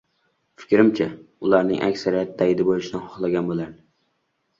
fikrimcha, ularning aksariyati daydi bo‘lishni xohlagan bo‘lardi.